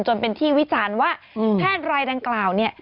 จนเป็นที่วิจารณ์ว่าแพทย์รายดังกล่าวเนี่ย